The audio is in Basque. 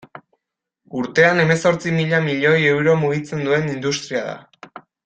Urtean hemezortzi mila milioi euro mugitzen duen industria da.